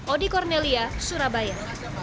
odi kornelia surabaya